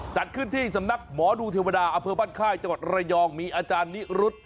จัดขึ้นที่สำนักหมอดูเทวดาอำเภอบ้านค่ายจังหวัดระยองมีอาจารย์นิรุธ